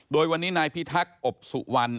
โดยวันนี้นายพิทักษ์อบสุวรรณ